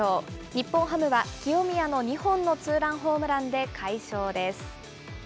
日本ハムは清宮の２本のツーランホームランで快勝です。